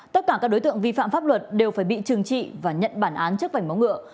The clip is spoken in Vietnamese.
tất cả các đối tượng vi phạm pháp luật đều phải bị trừng trị và nhận bản án trước vảnh móng ngựa